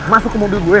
masuk ke mobil gue